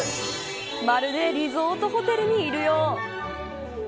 まるでリゾートホテルにいるよう。